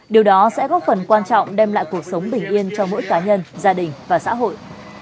điều đó sẽ góp phần quan trọng đem lại cuộc sống bình yên cho mỗi cá nhân gia đình và xã hội